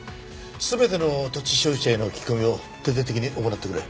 全ての土地所有者への聞き込みを徹底的に行ってくれ。